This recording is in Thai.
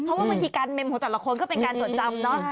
เพราะว่ามีทีการเมมของแต่ละคนก็เป็นการสนทรรม